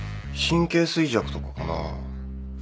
神経衰弱とかかな。